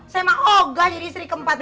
saya mah oga jadi istri keempat